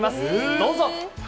どうぞ。